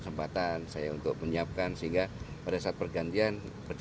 masih punya kesempatan